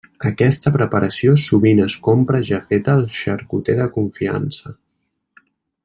Aquesta preparació sovint es compra ja feta al xarcuter de confiança.